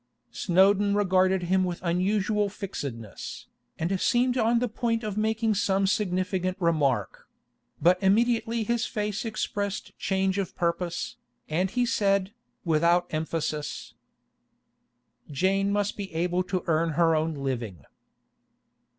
Snowdon regarded him with unusual fixedness, and seemed on the point of making some significant remark; but immediately his face expressed change of purpose, and he said, without emphasis: 'Jane must be able to earn her own living.